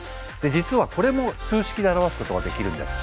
実はこれも数式で表すことができるんです。